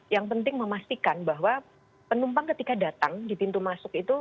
yang penting memastikan bahwa penumpang ketika datang di pintu masuk itu